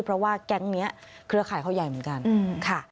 เพราะว่าแก๊งนี้เครือข่ายเขาใหญ่เหมือนกันค่ะ